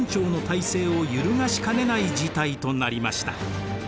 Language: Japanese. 体制を揺るがしかねない事態となりました。